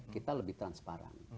kita lebih transparan